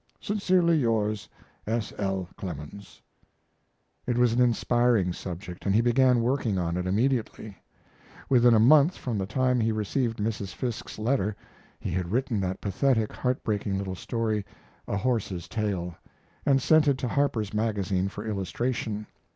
Sincerely yours, S. L. CLEMENS. It was an inspiring subject, and he began work on it immediately. Within a month from the time he received Mrs. Fiske's letter he had written that pathetic, heartbreaking little story, "A Horse's Tale," and sent it to Harper's Magazine for illustration.